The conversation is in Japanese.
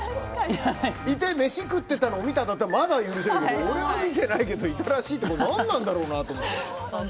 いて飯食ってたのを見ただったらまだ許せるけど俺は見てないけどいたらしいって何なんだろうなって。